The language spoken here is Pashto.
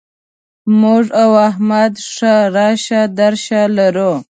موږ او احمد ښه راشه درشه لرو.